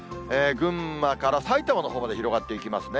群馬から埼玉のほうまで広がっていきますね。